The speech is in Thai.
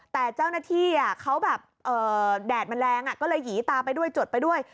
แต่เจ้าหน้าที่เขาแบบแดดมันแรงก็เลยหยีตาไปด้วยจดไปด้วย